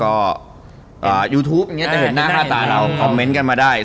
ก็ยูทูปอย่างนี้จะเห็นหน้าค่าตาเราคอมเมนต์กันมาได้